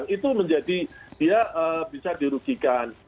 itu menjadi dia bisa dirugikan